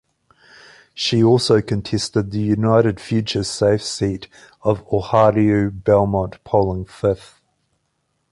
She also contested the United Future safe seat of Ohariu-Belmont, polling fifth.